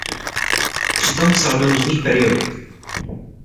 Přitom psal do různých periodik.